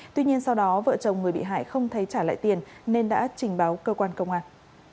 tuy nhiên sau đó vợ chồng người bị hại không thấy trả lại tiền nên đã trình báo cơ quan công an